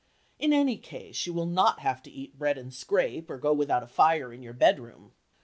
In any case you will not have to eat bread and scrape or go without a fire in your bedroom.